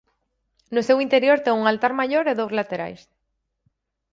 No seu interior ten un altar maior e dous laterais.